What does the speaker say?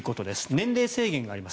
年齢制限があります。